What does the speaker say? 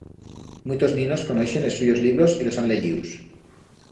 Muitos ninos conoixen es suyos libros y los han leyius.